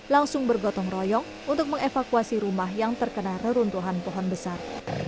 langsung bergotong royong untuk mengevakuasi rumah yang terkena reruntuhan pohon besar